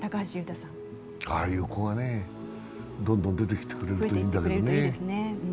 ああいう子がね、どんどん出てきてくれるといいんだけどね。